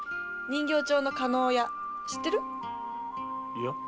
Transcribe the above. いや。